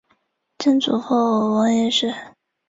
恒基兆业地产主席李兆基同时是公司主席。